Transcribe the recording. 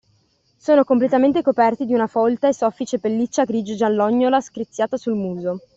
Sono completamente coperti di una folta e soffice pelliccia grigio giallognola screziata sul muso.